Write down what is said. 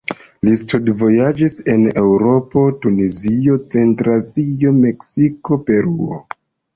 Li studvojaĝis al Eŭropo, Tunizio, Centra Azio, Meksiko, Peruo.